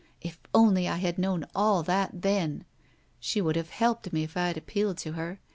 If only I had known all that then! She would have helped me if I had appealed to her.